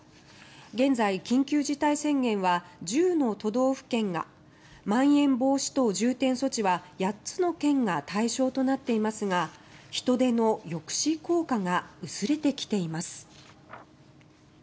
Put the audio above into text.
現在、緊急事態宣言は１０の都道府県がまん延防止等重点措置は８つの県が対象となっていますが人出の抑止効果が薄れてきています。